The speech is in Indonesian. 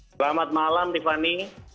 selamat malam tiffany